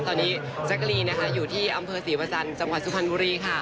ตอนนี้แจ๊คลีอยู่ที่อำเภอศรีวจรรย์จำขวัญสุพรรณบุรีค่ะ